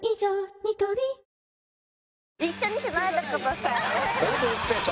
ニトリあ！